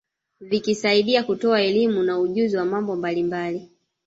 Vikisaidia kutoa elimu na ujuzi wa mambo mbalimbali